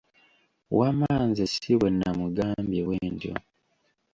Wamma nze si bwe namugambye bwe ntyo.